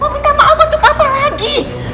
mau minta maaf untuk apa lagi